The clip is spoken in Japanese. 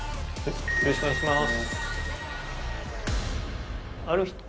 よろしくお願いします。